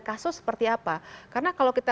kasus seperti apa karena kalau kita